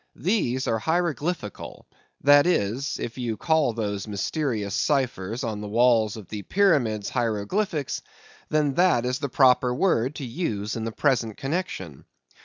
These are hieroglyphical; that is, if you call those mysterious cyphers on the walls of pyramids hieroglyphics, then that is the proper word to use in the present connexion.